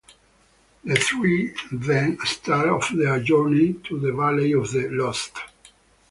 The three then start off their journey to the Valley of the Lost.